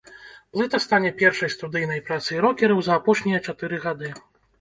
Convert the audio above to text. Плыта стане першай студыйнай працай рокераў за апошнія чатыры гады.